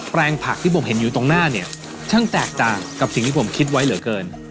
แปลงผักที่ผมเห็นอยู่ตรงหน้าเนี่ยช่างแตกต่างกับสิ่งที่ผมคิดไว้เหลือเกิน